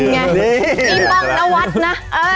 เป็นไงพี่ป้องละวัดนะ